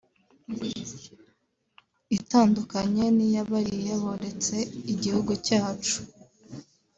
itandukanye n’iya bariya boretse igihugu cyacu